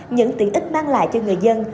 những tiện ích mang lại cho người dân